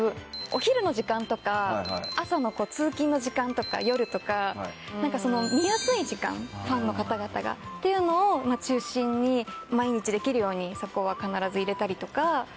お昼の時間とか朝の通勤の時間とか夜とか見やすい時間ファンの方々が。っていうのを中心に毎日できるようにそこは必ず入れたりとか。